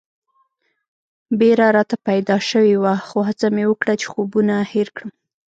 بېره راته پیدا شوې وه خو هڅه مې وکړه چې خوبونه هېر کړم.